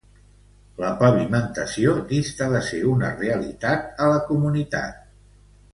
La pavimentació dista de ser una realitat a la comunitat.